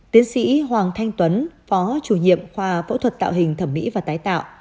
tiến sĩ hoàng thanh tuấn phó chủ nhiệm khoa phẫu thuật tạo hình thẩm mỹ và tái tạo